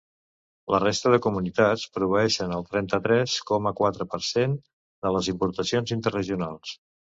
La resta de comunitats proveeixen el trenta-tres coma quatre per cent de les importacions interregionals.